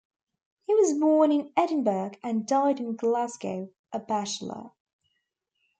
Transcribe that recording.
He was born in Edinburgh and died in Glasgow, a bachelor.